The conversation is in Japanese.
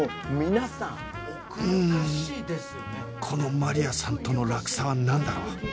このマリアさんとの落差はなんだろう？